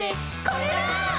「これだー！」